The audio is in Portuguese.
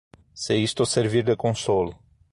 Se isto servir de consolo